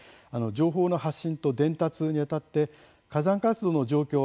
情報の発信と伝達にあたって火山活動の状況